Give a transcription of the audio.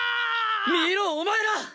見ろお前ら！